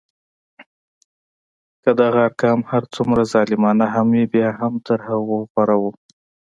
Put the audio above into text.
که دغه ارقام هر څومره ظالمانه هم وي بیا هم تر هغه غوره وو.